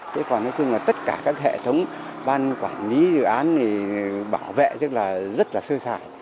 thế còn nói chung là tất cả các hệ thống ban quản lý dự án bảo vệ rất là sơ sải